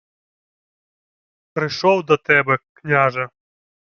— Прийшов до тебе, княже.